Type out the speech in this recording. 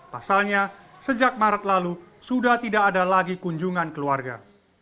pasalnya sejak maret lalu sudah tidak ada lagi kunjungan keluarga